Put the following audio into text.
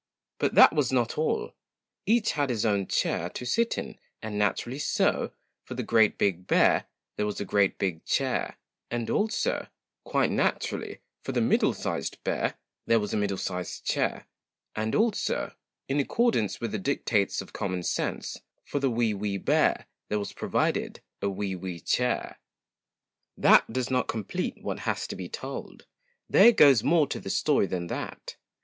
But that was not all : each had his own chair to sit in, and naturally so, for the GREAT BIG BEAR there was a GREAT BIG CHAIR, and also, quite naturally, for the MIDDLE SIZED BEAR there was a MIDDLE SIZED CHAIR, and also, in accordance with the dictates of common sense, for the WEE WEE BEAR there was provided a WEE WEE CHAIR. That does not complete what has to be told. There goes more to the story than that.